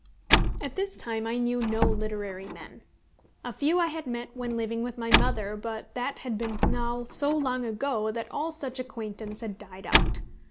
At this time I knew no literary men. A few I had met when living with my mother, but that had been now so long ago that all such acquaintance had died out.